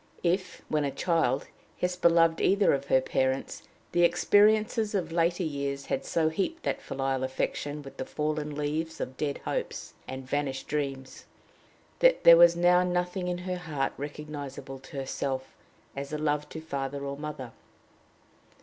If, when a child, Hesper loved either of her parents, the experiences of later years had so heaped that filial affection with the fallen leaves of dead hopes and vanished dreams, that there was now nothing in her heart recognizable to herself as love to father or mother.